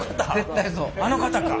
あの方か。